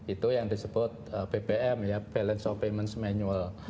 itu yang disebut bbm ya balance of payments manual